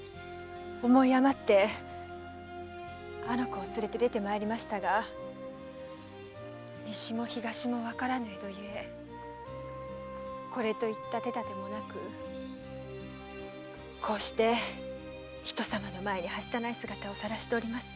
思いあまってあの子を連れて出てまいりましたが西も東もわからぬ江戸ゆえこれといった手だてもなくこうして人さまの前にはしたない姿を晒しております。